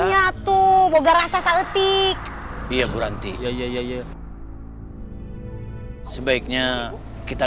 iya iya iya gini nasib nah karunya tuh engasah sakti iya ganti sebaiknya kitarau akan menurut kamu